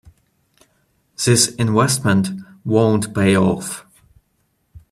This investment won't pay off.